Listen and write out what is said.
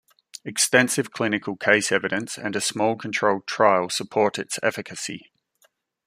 Extensive clinical case evidence and a small controlled trial support its efficacy.